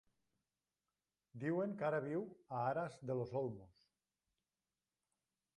Diuen que ara viu a Aras de los Olmos.